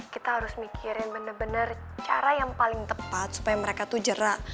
kita harus mikirin bener bener cara yang paling tepat supaya mereka tuh jerak